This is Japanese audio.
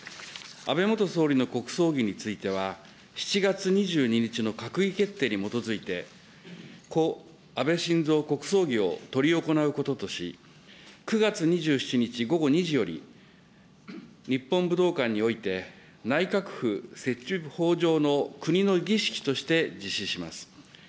安倍元総理の国葬儀については、７月２２日の閣議決定に基づいて、故・安倍晋三国葬儀を執り行うこととし、９月２７日午後２時より、日本武道館において、内閣府設置法上の国の儀式として実施します。